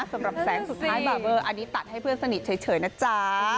สำหรับแสงสุดท้ายบาเบอร์อันนี้ตัดให้เพื่อนสนิทเฉยนะจ๊ะ